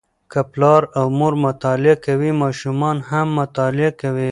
که پلار او مور مطالعه کوي، ماشومان هم مطالعه کوي.